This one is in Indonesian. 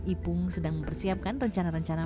ipung sedang mempersiapkan rencana rencana